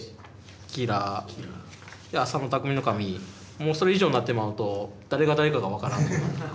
もうそれ以上になってまうと誰が誰かが分からんくなって。